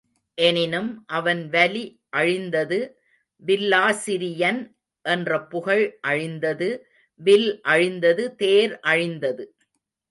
எனினும் அவன் வலி அழிந்தது வில்லாசிரியன் என்ற புகழ் அழிந்தது வில் அழிந்தது தேர் அழிந்தது.